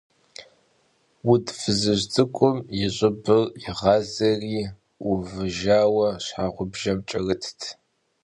Vud fızıj ts'ık'um yi ş'ıbır yiğazeri vuvıjjaue şheğubjjem ç'erıtt.